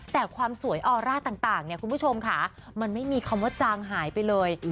แต่ความสวยออร่าต่างเนี่ยคุณผู้ชมค่ะมันไม่มีคำว่าจางหายไปเลย